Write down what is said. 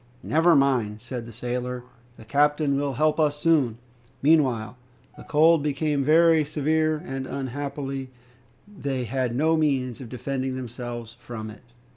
"Never mind!" said the sailor, "the captain will help us soon." Meanwhile the cold became very severe, and unhappily they had no means of defending themselves from it.